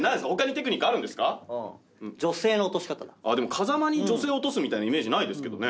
風間に女性を落とすみたいなイメージないですけどね。